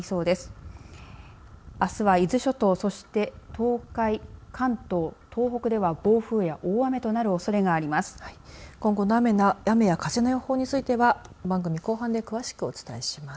あすは伊豆諸島、そして東海関東、東北では暴風や大雨となるおそれがあります。